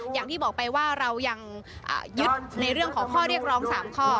อย่างที่บอกไปว่าเรายังยึดในเรื่องของข้อเรียกร้อง๓ข้อ